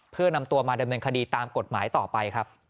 เพื่อนำตัวมาดำเนินคดีตามกฎหมายต่อไปครับ